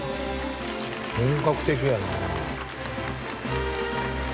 本格的やな。